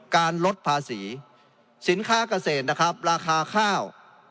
การลดภาษีสินค้ากเศษนะครับราคาข้าว